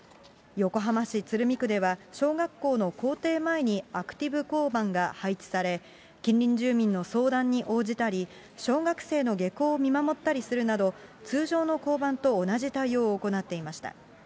横浜市鶴見区では、小学校の校庭前にアクティブ交番が配置され、近隣住民の相談に応じたり、小学生の下校を見守ったりするなど、通常の交番と同じ対応を行っていました。